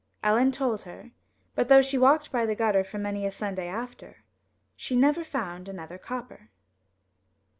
Ellen told her, but though she walked by the gutter for many a Sunday after, she never found another copper.